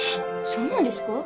そうなんですか？